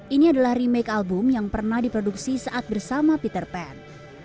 ini adalah remake album yang pernah diproduksi saat bersama peter pan